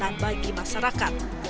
sehatan bagi masyarakat